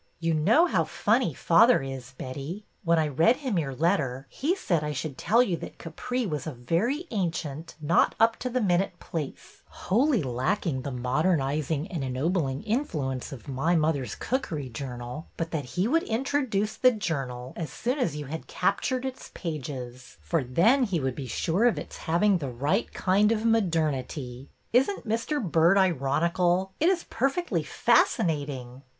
''' You know how funny father is, Betty. When I read him your letter he said I should tell you that Capri was a very ancient, not up to the minute place, wholly lacking the modernizing and ennobling influence of My Mother's Cookery Journal, but that he would introduce the journal as soon as you had captured its pages, for then he would be sure of its having the right kind of modernity.' ''Isn't Mr. Byrd ironical? It is perfectly fascinating